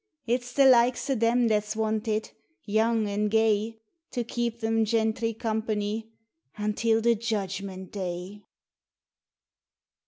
It's the likes o' them that's wanted, young and gay, To keep thim ginthry company until the Judgment Day.